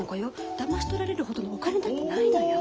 だまし取られるほどのお金だってないのよ？